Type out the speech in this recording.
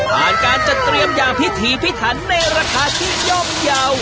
ผ่านการจัดเตรียมอย่างพิถีพิถันในราคาที่ย่อมเยาว์